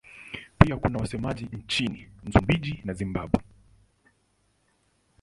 Pia kuna wasemaji nchini Msumbiji na Zimbabwe.